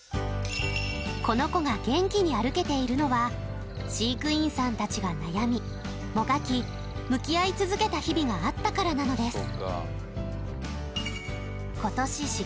この子が元気に歩けているのは飼育員さんたちが悩みもがき向き合い続けた日々があったからなのです